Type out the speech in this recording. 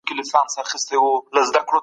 هغه خپل وزن نورمال ساتي.